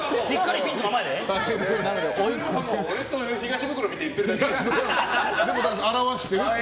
それはもう俺と東ブクロを見て言ってるだけですよ。